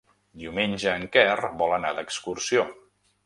Diumenge en Quer vol anar d'excursió.